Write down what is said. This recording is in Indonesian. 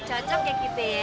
cocok kayak gitu ya